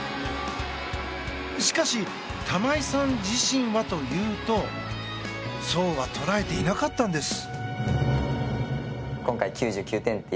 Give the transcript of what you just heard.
しかし、玉井さん自身はというとそうは捉えていなかったんです。